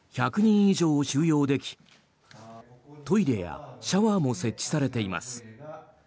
１００人以上を収容できトイレやシャワーも設置されています。